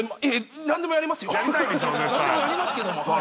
何でもやりますけどもはい。